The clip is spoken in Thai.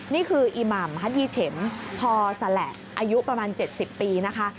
นี่คืออีหม่ำฮัตดีเฉ็มพอสละอายุประมาณ๗๐ปีนะคะ